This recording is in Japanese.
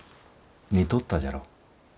似とったじゃろう。